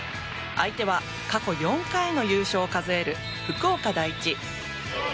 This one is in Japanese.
相手は過去４回の優勝を数える福岡第一。